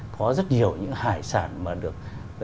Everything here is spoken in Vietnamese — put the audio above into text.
có rất nhiều những hải sản mà được